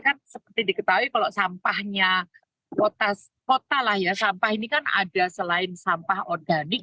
kan seperti diketahui kalau sampahnya kota lah ya sampah ini kan ada selain sampah organik